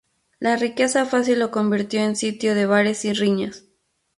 La riqueza fácil lo convirtió en sitio de bares y riñas.